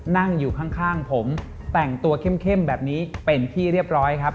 นั่งอยู่ข้างผมแต่งตัวเข้มแบบนี้เป็นที่เรียบร้อยครับ